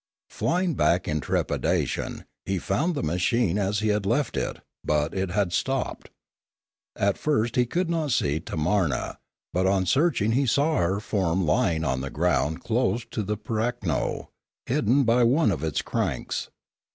Flying back in trepidation, he found the machine as he had left it, but it had stopped. At first he could not see Tamarua; but on searching he saw her form lying on the ground close to the pirakno, hidden by one of its cranks.